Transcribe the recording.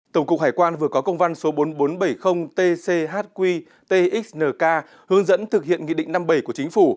tổng cục hải quan vừa có công văn số bốn nghìn bốn trăm bảy mươi tchq txnh hướng dẫn thực hiện nghị định năm mươi bảy của chính phủ